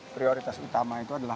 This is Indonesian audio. prioritas utama itu adalah